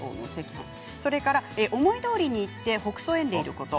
それから思いどおりにいってほくそ笑んでいること。